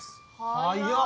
早っ。